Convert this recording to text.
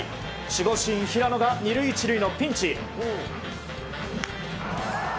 守護神、平野が２塁１塁のピンチ。